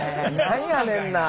何やねんな。